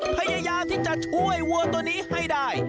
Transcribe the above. พยายามที่จะช่วยวัวตัวนี้ให้ได้